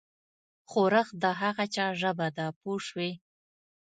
ښورښ د هغه چا ژبه ده پوه شوې!.